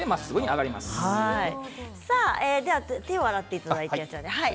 手を洗っていただいて。